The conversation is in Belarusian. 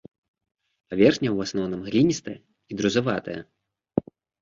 Паверхня ў асноўным гліністая і друзаватая.